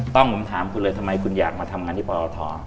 ต้องผมถามคุณเลยทำไมคุณอยากมาทำงานที่ปรท